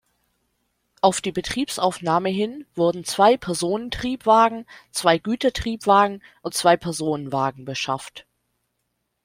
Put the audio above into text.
Auf die Betriebsaufnahme hin wurden zwei Personentriebwagen, zwei Gütertriebwagen und zwei Personenwagen beschafft.